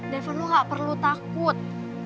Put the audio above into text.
daven lo gak perlu takut